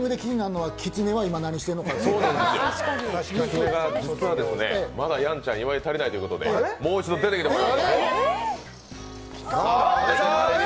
実は、きつねがやんちゃんを祝い足りないということでもう一度出てきてもらいます。